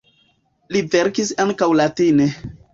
Li verkis ankaŭ latine.